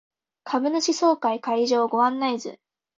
株主総会会場ご案内図